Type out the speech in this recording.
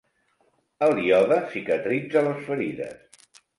El iode cicatritza les ferides.